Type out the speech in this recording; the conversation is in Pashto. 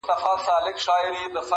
زه د تورسترگو سره دغسي سپين سترگی يمه.